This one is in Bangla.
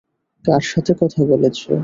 কার সাথে কথা বলেছ?